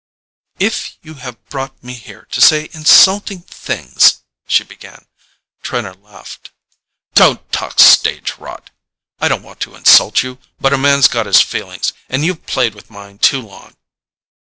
"If you have brought me here to say insulting things——" she began. Trenor laughed. "Don't talk stage rot. I don't want to insult you. But a man's got his feelings—and you've played with mine too long.